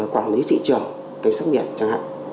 quản lý thị trường cảnh sát biển chẳng hạn